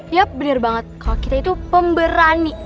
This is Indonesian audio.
iya bener banget kalo kita itu pemberani